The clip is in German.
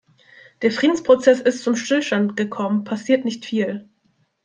Der Friedensprozess ist zum Stillstand gekommenpassiert nicht viel.